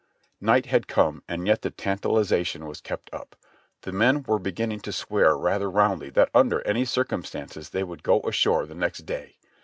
Night had come and yet the tantalization was kept up. The men were beginning to swear rather roundly that under any cir cumstances they would go ashore the next day.